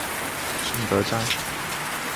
顺德站